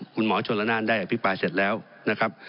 คุณหมอชนละนานได้อภิปรายเสร็จแล้วนะครับ